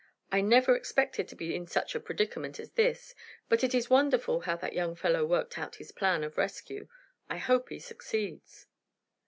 I never expected to be in such a predicament as this, but it is wonderful how that young fellow worked out his plan of rescue. I hope he succeeds."